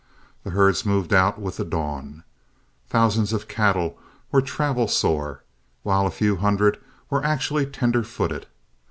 The herds moved out with the dawn. Thousands of the cattle were travel sore, while a few hundred were actually tender footed.